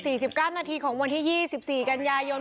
เนี่ยค่ะตี๑๔๙นาทีของวันที่๒๔กัลยายน